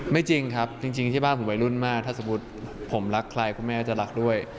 จริงครับจริงที่บ้านผมวัยรุ่นมากถ้าสมมุติผมรักใครคุณแม่จะรักด้วย